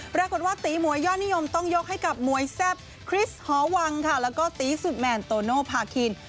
ปรากฏว่าตีหมวยยอดนิยมต้องยกให้กับมวยแซ่บคริสหอวังค่ะแล้วก็ตีสุดแมนโตโนภาคิน